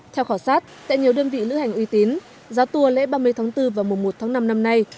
theo khảo sát tại nhiều đơn vị lữ hành uy tín giá tour lễ ba mươi tháng bốn và mùa một tháng năm năm nay